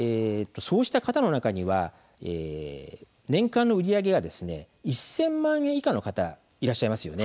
そうした方の中には年間の売り上げが１０００万円以下の方がいらっしゃいます。